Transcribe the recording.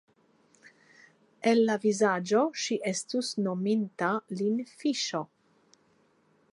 El la vizaĝo ŝi estus nominta lin fiŝo.